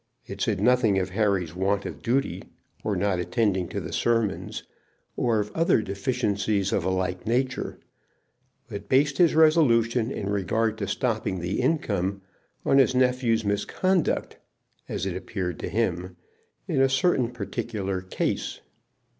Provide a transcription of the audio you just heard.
It said nothing of Harry's want of duty, or not attending to the sermons, or of other deficiencies of a like nature, but based his resolution in regard to stopping the income on his nephew's misconduct, as it appeared to him, in a certain particular case.